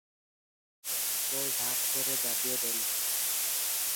এরপর ডাক পরে জাতীয় দলে।